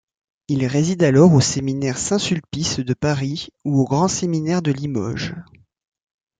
Il réside alors au séminaire Saint-Sulpice de Paris ou au grand séminaire de Limoges.